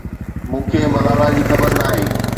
مون کي ملالا جي خبر ناهي.